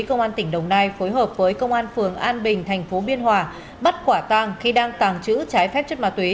công an tỉnh đồng nai phối hợp với công an phường an bình thành phố biên hòa bắt quả tang khi đang tàng trữ trái phép chất ma túy